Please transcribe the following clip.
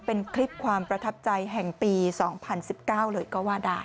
เป็นคลิปความประทับใจแห่งปี๒๐๑๙เลยก็ว่าได้